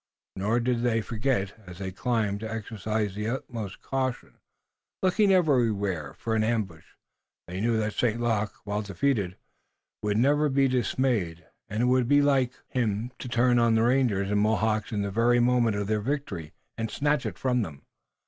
Nor did they forget, as they climbed, to exercise the utmost caution, looking everywhere for an ambush. They knew that St. Luc, while defeated, would never be dismayed, and it would be like him to turn on the rangers and Mohawks in the very moment of their victory and snatch it from them.